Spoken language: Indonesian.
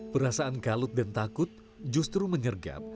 perasaan kalut dan takut justru menyergap